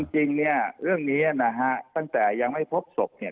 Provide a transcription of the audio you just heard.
จริงเนี่ยเรื่องนี้นะฮะตั้งแต่ยังไม่พบศพเนี่ย